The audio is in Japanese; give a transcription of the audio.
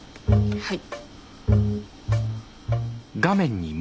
はい。